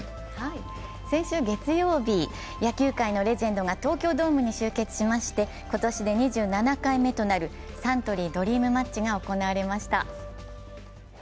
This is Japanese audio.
先週月曜日、野球界のレジェンドが東京ドームに集結しまして今年で２７回目となるサントリードリームマッチが行われました。